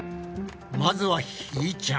まずはひーちゃん。